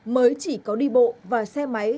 mới chỉ có đi bộ và xe máy